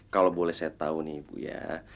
kalau boleh saya tahu nih ibu ya